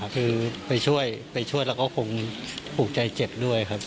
คือไปช่วยไปช่วยแล้วก็คงผูกใจเจ็บด้วยครับ